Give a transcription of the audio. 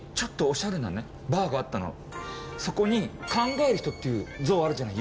そこに考える人っていう像あるじゃない。